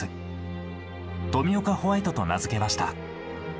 トミオカホワイトと名付けました。